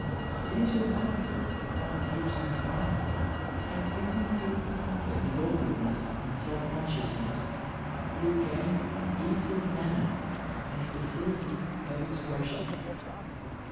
It is remarkable, if one keeps on trying, how quickly he will conquer his awkwardness and self consciousness, and will gain ease of manner and facility of expression.